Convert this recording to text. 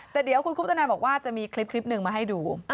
แต่เดี๋ยวคุณคุปตนันบอกว่าจะมีคลิปหนึ่งมาให้ดู